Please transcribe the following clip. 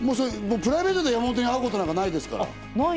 プライベートで山本に会うことなんかないですから。